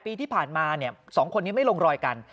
ปีที่ผ่านมา๒คนนี้ไม่ลงรอยกัน